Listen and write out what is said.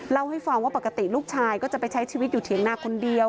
เล่าให้ฟังว่าปกติลูกชายก็จะไปใช้ชีวิตอยู่เถียงนาคนเดียว